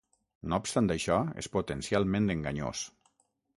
No obstant això, és potencialment enganyós.